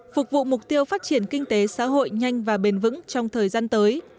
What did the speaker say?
phục vụ mục tiêu phát triển kinh tế xã hội nhanh và bền vững trong thời gian tới